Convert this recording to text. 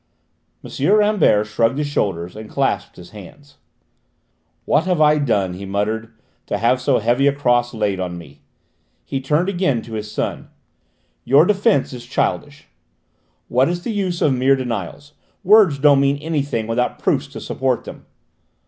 M. Rambert shrugged his shoulders and clasped his hands. "What have I done," he muttered, "to have so heavy a cross laid on me?" He turned again to his son. "Your defence is childish. What is the use of mere denials? Words don't mean anything without proofs to support them."